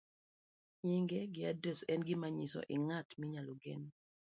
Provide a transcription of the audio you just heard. Nying' gi adres en gima nyiso i ng'at minyalo gen.